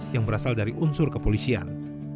yang berasal dari unsur kepolisian